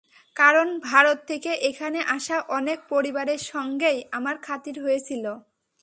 কারণ, ভারত থেকে এখানে আসা অনেক পরিবারের সঙ্গেই আমার খাতির হয়েছিল।